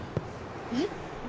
えっ？